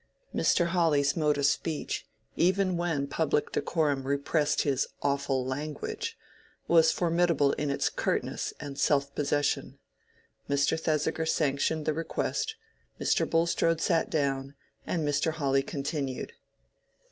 Mr. Hawley's mode of speech, even when public decorum repressed his "awful language," was formidable in its curtness and self possession. Mr. Thesiger sanctioned the request, Mr. Bulstrode sat down, and Mr. Hawley continued.